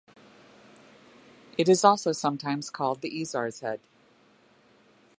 It is also sometimes called the Isar's head.